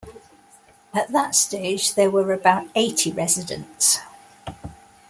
At that stage there were about eighty residents.